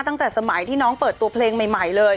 ตั้งแต่สมัยที่น้องเปิดตัวเพลงใหม่เลย